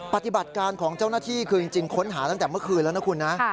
ปฏิบัติการของเจ้าหน้าที่คือจริงค้นหาตั้งแต่เมื่อคืนแล้วนะคุณนะ